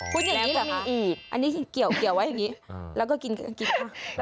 อย่างนี้เหรอมีอีกอันนี้เกี่ยวไว้อย่างนี้แล้วก็กินข้าว